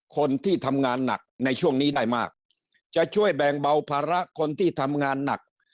คนที่ทำงานหนักในช่วงนี้ได้มากจะช่วยแบ่งเบาภาระคนที่ทำงานหนัก